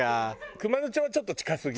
熊野町はちょっと近すぎ？